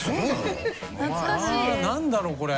何だろう